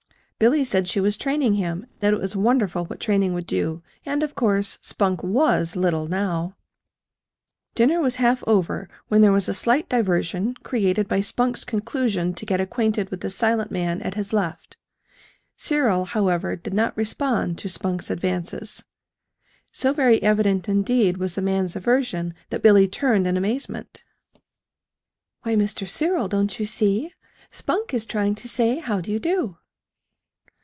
Billy said she was training him; that it was wonderful what training would do, and, of course, Spunk WAS little, now. Dinner was half over when there was a slight diversion created by Spunk's conclusion to get acquainted with the silent man at his left. Cyril, however, did not respond to Spunk's advances. So very evident, indeed, was the man's aversion that Billy turned in amazement. "Why, Mr. Cyril, don't you see? Spunk is trying to say 'How do you do'?"